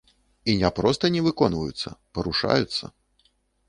І не проста не выконваюцца, парушаюцца.